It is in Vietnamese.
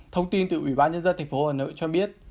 thông tin từ ủy ban nhân dân tp hà nội cho biết